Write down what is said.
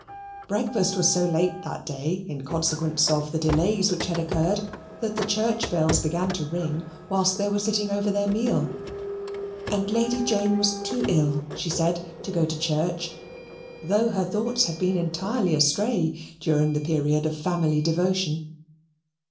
Breakfast was so late that day, in consequence of the delays which had occurred, that the church bells began to ring whilst they were sitting over their meal; and Lady Jane was too ill, she said, to go to church, though her thoughts had been entirely astray during the period of family devotion.